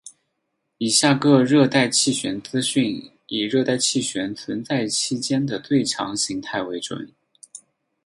以下各热带气旋资讯以热带气旋存在期间的最强形态为准。